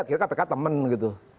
akhirnya kpk temen gitu